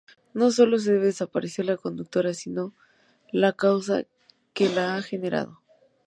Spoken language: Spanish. No sólo se debe desaparecer la conducta, sino la causa que la ha generado.